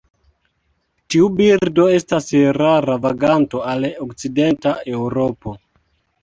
Tiu birdo estas rara vaganto al okcidenta Eŭropo.